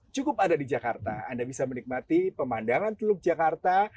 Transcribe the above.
cukup ada di jakarta anda bisa menikmati pemandangan teluk jakarta